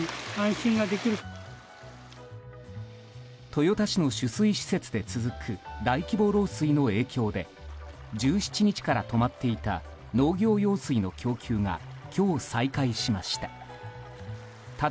豊田市の取水施設で続く大規模漏水の影響で１７日から止まっていた農業用水の供給が今日、再開しました。